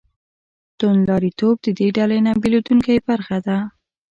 توندلاریتوب د دې ډلې نه بېلېدونکې برخه ده.